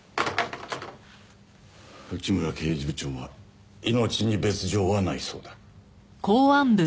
内村刑事部長は命に別条はないそうだ。